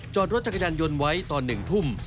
จอดรถจักรยานยนต์ไว้ตอน๑ทุ่ม